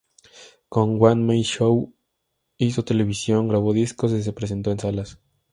Con "One-Man-Show" hizo televisión, grabó discos y se presentó en salas.